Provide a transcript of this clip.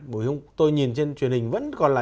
bởi tôi nhìn trên truyền hình vẫn còn là